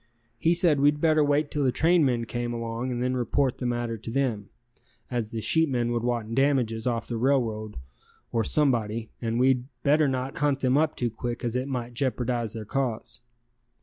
He said we'd better wait till the trainmen came along and then report the matter to them, as the sheepmen would want damages off the railroad or somebody and we'd better not hunt them up too quick as it might jeopardize their case.